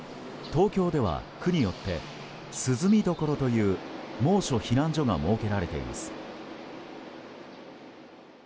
東京では区によって涼み処という猛暑避難所が設けられています。